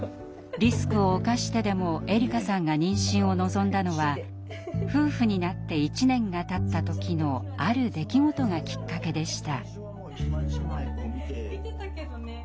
リスクを冒してでもえりかさんが妊娠を望んだのは夫婦になって１年がたった時のある出来事がきっかけでした。